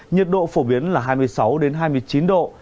nhiệt độ phổ biến là hai mươi sáu hai mươi chín độ